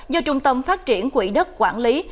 do trung tâm phát triển quỹ đất quản lý